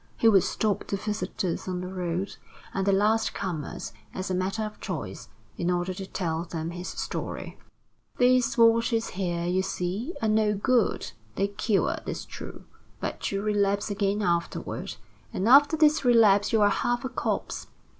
He would stop the visitors on the road and the last comers as a matter of choice, in order to tell them his story: "These waters here, you see, are no good they cure, 'tis true, but you relapse again afterward, and after this relapse you're half a corpse.